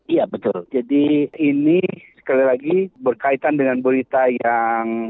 iya betul jadi ini sekali lagi berkaitan dengan berita yang